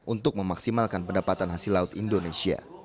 untuk memaksimalkan pendapatan hasil laut indonesia